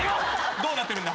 どうなってるんだ。